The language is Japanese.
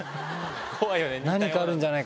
怖いよね。